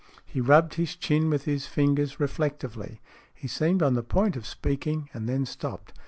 He rubbed his chin with his fingers reflectively. He seemed on the point of speaking, and then stopped.